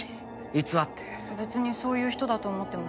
別にそういう人だと思ってますけど。